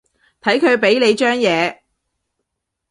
睇佢畀你張嘢